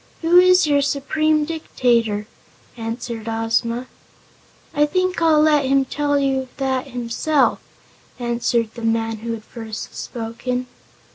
"Who is your Supreme Dictator?" answered Ozma. "I think I'll let him tell you that himself," answered the man who had first spoken.